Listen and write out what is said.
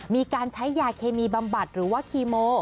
มีการใช้ยาเคมีบำบัดหรือว่าคีโม